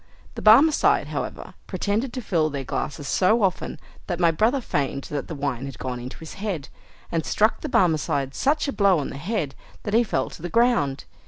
The Barmecide, however, pretended to fill their glasses so often, that my brother feigned that the wine had gone into his head, and struck the Barmecide such a blow on the head, that he fell to the ground.